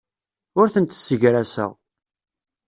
Ur tent-ssegraseɣ.